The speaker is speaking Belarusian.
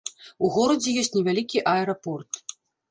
У горадзе ёсць невялікі аэрапорт.